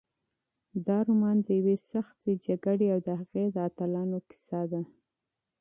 دا رومان د یوې سختې جګړې او د هغې د اتلانو کیسه ده.